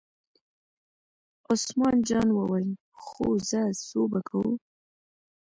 عثمان جان وویل: خو ځه څو به کوو.